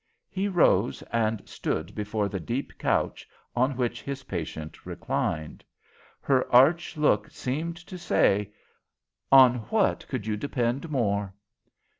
He rose, and stood before the deep couch on which his patient reclined. Her arch look seemed to say, "On what could you depend more?"